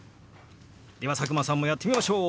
では佐久間さんもやってみましょう！